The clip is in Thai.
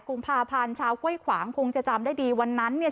กุมภาพันธ์ชาวก้วยขวางคงจะจำได้ดีวันนั้นเนี่ย